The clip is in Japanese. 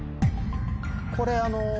これ。